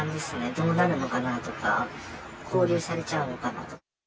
どうなるのかなとか、勾留されちゃうのかなとか。